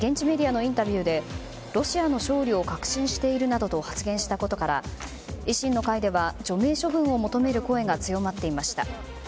更に、現地メディアのインタビューでロシアの勝利を確信しているなどと発言したことから維新の会では除名処分を求める声が強まっていました。